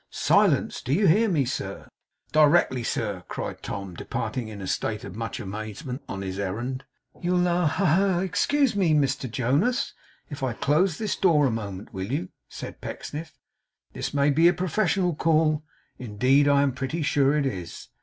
Silence! Do you hear me, sir? 'Directly, sir!' cried Tom, departing, in a state of much amazement, on his errand. 'You'll ha, ha, ha! you'll excuse me, Mr Jonas, if I close this door a moment, will you?' said Pecksniff. 'This may be a professional call. Indeed I am pretty sure it is.